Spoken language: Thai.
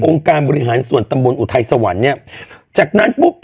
การบริหารส่วนตำบลอุทัยสวรรค์เนี่ยจากนั้นปุ๊บ